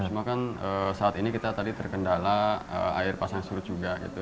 cuma kan saat ini kita tadi terkendala air pasang surut juga gitu